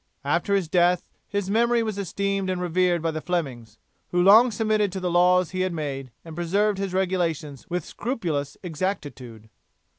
After his death his memory was esteemed and revered by the Flemings, who long submitted to the laws he had made, and preserved his regulations with scrupulous exactitude.